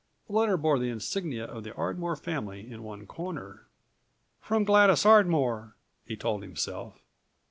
The letter bore the insignia of the Ardmore family in one corner. "From Gladys Ardmore!" he told himself.